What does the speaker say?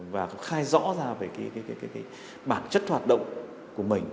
và khai rõ ra về bản chất hoạt động của mình